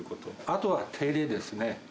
あとは手入れですね。